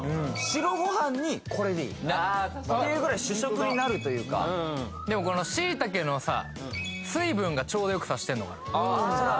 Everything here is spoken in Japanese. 白ごはんにこれでいいっていうぐらい主食になるというかでもこのシイタケのさ水分がちょうどよくさせてんのかな